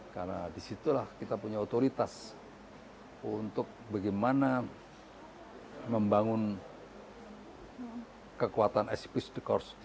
karena disitulah kita punya otoritas untuk bagaimana membangun kekuatan spsdk di lingkungan saya